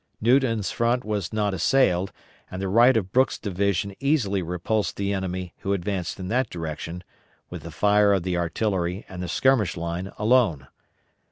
Newton's front was not assailed, and the right of Brooks' division easily repulsed the enemy who advanced in that direction, with the fire of the artillery and the skirmish line alone.